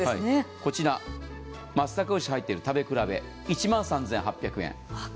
こちら、松阪牛が入っている食べ比べ１万３８００円。